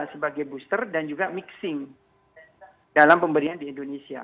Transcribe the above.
sebagai booster dan juga mixing dalam pemberian di indonesia